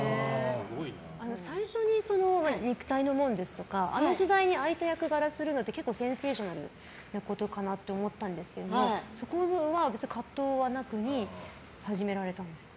最初に「肉体の門」ですとかあの時代にああいった役柄をするのって結構センセーショナルなことかなと思ったんですけどそこの葛藤はなく始められたんですか？